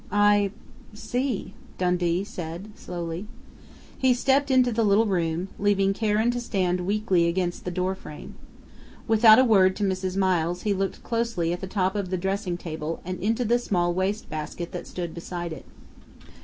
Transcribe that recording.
"I see," Dundee said slowly. He stepped into the little room, leaving Karen to stand weakly against the door frame. Without a word to Mrs. Miles he looked closely at the top of the dressing table and into the small wastebasket that stood beside it.